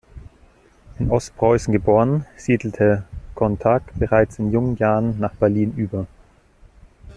In Ostpreußen geboren, siedelte Contag bereits in jungen Jahren nach Berlin über.